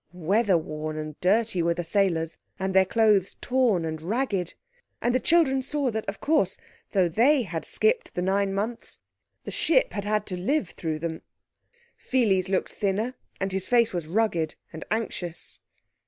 Weather worn and dirty were the sailors, and their clothes torn and ragged. And the children saw that, of course, though they had skipped the nine months, the ship had had to live through them. Pheles looked thinner, and his face was rugged and anxious.